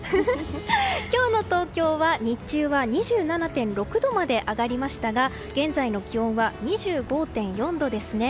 今日の東京は、日中は２７．６度まで上がりましたが現在の気温は２５．４度ですね。